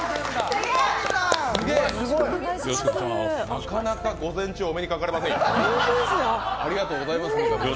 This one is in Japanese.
なかなか午前中、お目にかかれませんよ。